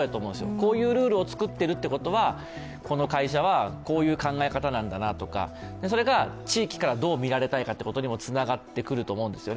こういうルールを作っているということは、この会社はこういう考え方なんだなとかそれが地域からどう見られたいかということもつながってくると思うんですよね。